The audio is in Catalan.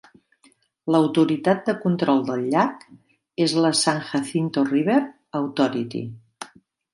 L'autoritat de control del llac és la San Jacinto River Authority.